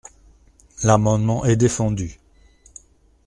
L’amendement est défendu.